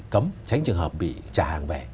cấm tránh trường hợp bị trả hàng về